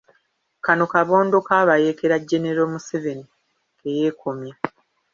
Kano kabondo k'abayeekera General Museveni ke yeekomya.